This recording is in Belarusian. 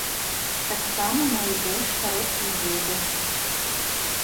Таксама мае больш кароткую дзюбу.